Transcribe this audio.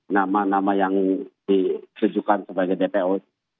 nama nama yang ditujukan sebagai dpo